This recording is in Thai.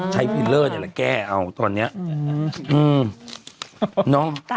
จะเริ่มเล็กลงเล็กลงกันเนอะ